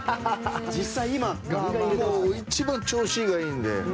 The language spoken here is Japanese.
実際、今一番調子がいいので。